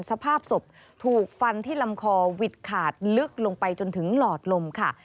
สภาพศพถูกฟันที่ลำคอวิดขาดลึกลงไปจนถึงหลอดลมค่ะ